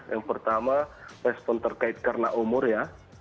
yang pertama respon terkait karena umur ya